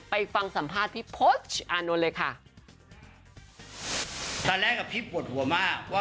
ไปฟังสัมภาษณ์พี่โพชอ่านวนเลยค่ะ